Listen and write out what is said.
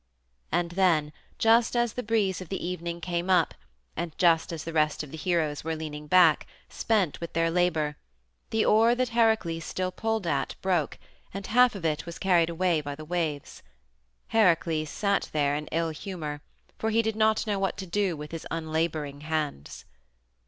And then, just as the breeze of the evening came up, and just as the rest of the heroes were leaning back, spent with their labor, the oar that Heracles still pulled at broke, and half of it was carried away by the waves. Heracles sat there in ill humor, for he did not know what to do with his unlaboring hands.